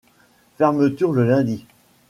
Fermeture le lundi.